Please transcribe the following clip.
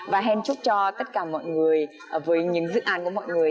và hẹn chúc cho tất cả mọi người với những dự án của mọi người